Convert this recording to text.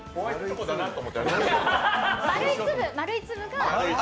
丸い粒が。